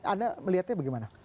anda melihatnya bagaimana